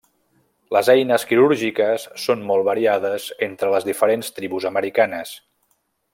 Les eines quirúrgiques són molt variades entre les diferents tribus americanes.